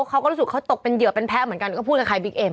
เขาก็รู้สึกเขาตกเป็นเหยื่อเป็นแพ้เหมือนกันก็พูดกับใครบิ๊กเอ็ม